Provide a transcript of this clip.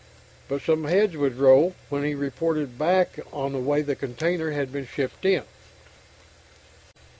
But some heads would roll when he reported back on the way the container had been shipped in.